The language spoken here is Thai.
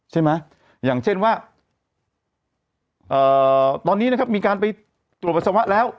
ใช่ไหมอย่างเช่นว่าตอนนี้นะครับมีการไปตรวจปัสสาวะแล้ว